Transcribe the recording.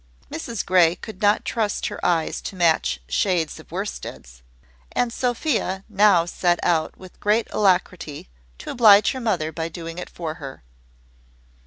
Mrs Grey could not trust her eyes to match shades of worsteds; and Sophia now set out with great alacrity to oblige her mother by doing it for her.